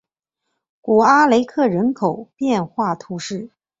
古阿雷克人口变化图示